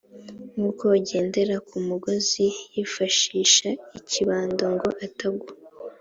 nk uko ugendera ku mugozi yifashisha ikibando ngo atagwa